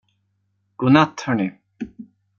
God natt, hörni.